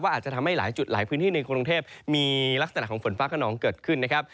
อาจจะทำให้หลายจุดหลายพื้นที่ในกรุงเทพมีลักษณะของฝนฟ้าขนองเกิดขึ้นนะครับ